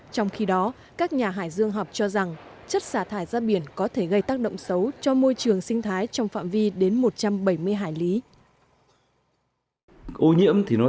trong khi đó các nhà hải dương học cho rằng chất xả thải ra biển có thể gây tác động xấu cho môi trường sinh thái trong phạm vi